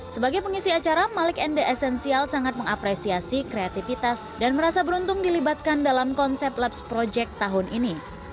sebagai pengisi acara malik and the essential sangat mengapresiasi kreativitas dan merasa beruntung dilibatkan dalam konsep labs project tahun ini